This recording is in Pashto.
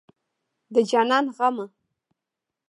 د جانان غمه